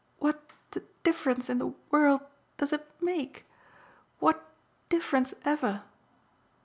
"What difference in the world does it make what difference ever?"